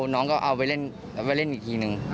น้องก็เอาไปเล่นไว้เล่นอีกทีหนึ่ง